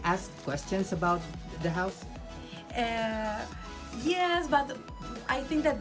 apakah mereka bertanya soal rumahnya